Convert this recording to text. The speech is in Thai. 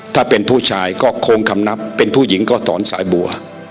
ถ้าเป็นผู้ชายก็คงคำนับเป็นผู้หญิงก็ถอนสายบัว